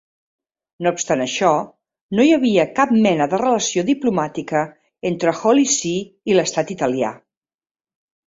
No obstant això, no hi havia cap mena de relació diplomàtica entre Holy See i l'estat italià.